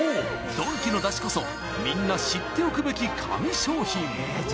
ドンキのダシこそみんな知っておくべき神商品